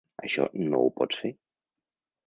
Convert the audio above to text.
Això no ho pots fer!